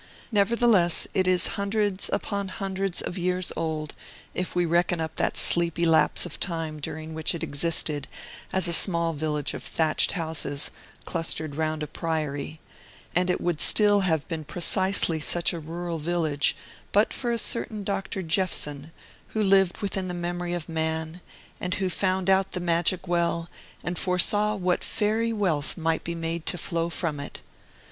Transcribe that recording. Nevertheless, it is hundreds upon hundreds of years old, if we reckon up that sleepy lapse of time during which it existed as a small village of thatched houses, clustered round a priory; and it would still have been precisely such a rural village, but for a certain Dr. Jephson, who lived within the memory of man, and who found out the magic well, and foresaw what fairy wealth might be made to flow from it.